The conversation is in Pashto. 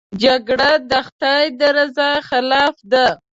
جګړه د خدای د رضا خلاف ده